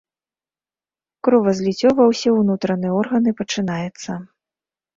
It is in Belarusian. Кровазліццё ва ўсе ўнутраныя органы пачынаецца.